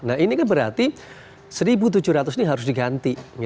nah ini kan berarti satu tujuh ratus ini harus diganti